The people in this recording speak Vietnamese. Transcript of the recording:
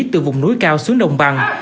từ vùng núi cao xuống đồng bằng